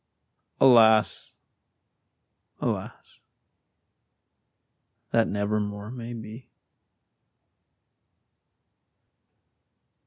Alas, alas! that never more may be.